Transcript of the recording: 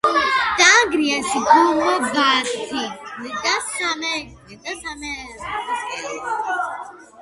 დაანგრიეს გუმბათი და სამრეკლო.